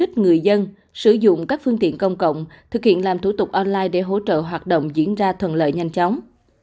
thực hiện làm thủ tục online để hỗ trợ hoạt động diễn ra thuận lợi nhanh chóng